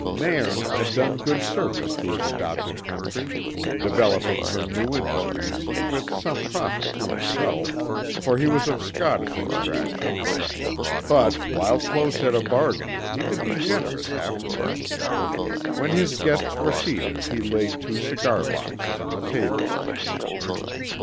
Nairn had done good service to his adopted country, developing her new industries, with some profit to himself, for he was of Scottish extraction; but while close at a bargain he could be generous afterwards. When his guests were seated he laid two cigar boxes on the table.